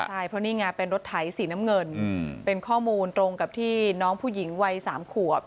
ใช่เพราะนี่ไงเป็นรถไถสีน้ำเงินเป็นข้อมูลตรงกับที่น้องผู้หญิงวัย๓ขวบ